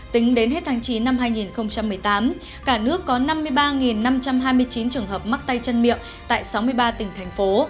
tính đến hết tháng chín năm hai nghìn một mươi tám cả nước có năm mươi ba năm trăm hai mươi chín trường hợp mắc tay chân miệng tại sáu mươi ba tỉnh thành phố